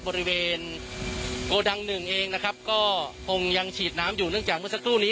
บริเวณโกดังหนึ่งเองนะครับก็คงยังฉีดน้ำอยู่เนื่องจากเมื่อสักครู่นี้